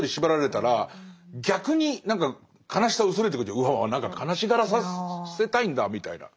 「うわうわ何か悲しがらさせたいんだ」みたいな。